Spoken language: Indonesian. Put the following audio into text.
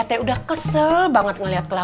today pun menurutmu m versa